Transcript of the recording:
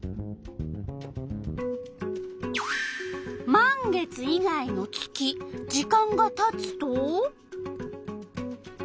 満月以外の月時間がたつと？